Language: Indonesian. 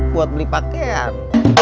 buat beli pakaian